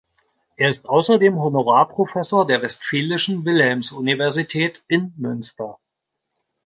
Er ist außerdem Honorarprofessor der Westfälischen Wilhelms-Universität in Münster.